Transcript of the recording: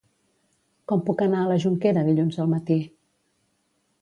Com puc anar a la Jonquera dilluns al matí?